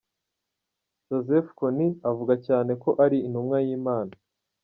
Joseph Kony avuga cyane ko ari intumwa y’Imana.